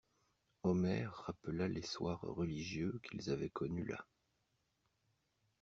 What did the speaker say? Omer rappela les soirs religieux qu'ils avaient connus là.